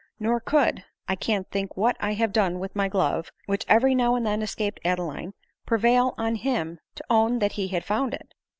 Nor could, " I can't think what I have done with my glove," which every now and then escaped Adeline, pre vail on him to own that he had found it.